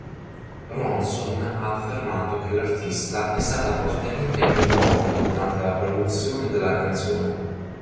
Ronson ha affermato che l'artista è stata fortemente coinvolta durante la produzione della canzone.